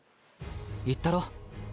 言ったろ？